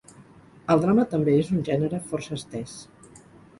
El drama també és un gènere força estès.